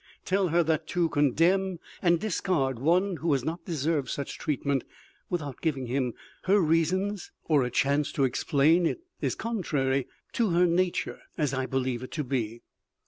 Tell her that to condemn and discard one who has not deserved such treatment, without giving him her reasons or a chance to explain is contrary to her nature as I believe it to be.